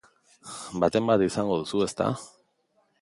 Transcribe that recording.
Baten bat izango duzu, ezta?